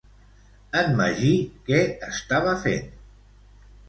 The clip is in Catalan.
En Magí què estava fent?